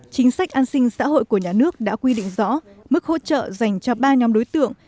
chính sách an sinh xã hội của nhà nước đã quy định rõ mức hỗ trợ dành cho ba nhóm đối tượng